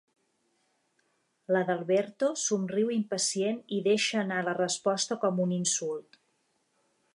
L'Adalberto somriu impacient i deixa anar la resposta com un insult.